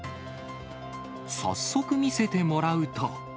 早速見せてもらうと。